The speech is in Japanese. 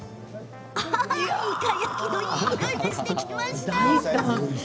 いか焼きのいいにおいがしてきました。